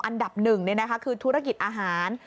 อันดับหนึ่งคือธุรกิจอาหาร